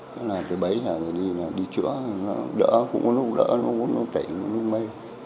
thế là từ bấy giờ rồi đi là đi chữa nó đỡ cũng có lúc đỡ cũng có lúc tệ cũng có lúc mê